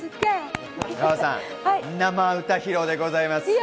阿川さん、生歌披露でございます。